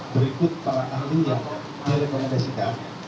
berikut para ahli yang direkomendasikan